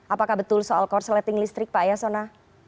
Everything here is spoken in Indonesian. apakah betul soal korsleting listrik pak yasona